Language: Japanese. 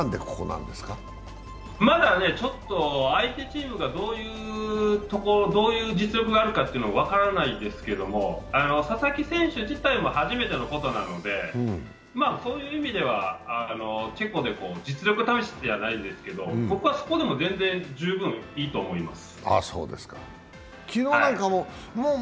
まだ相手チームがどういう実力があるかというのが分からないですけど佐々木選手自体も初めてのことなので、そういう意味ではチェコで実力試しじゃないですけど僕はそこでも全然十分いいと思います。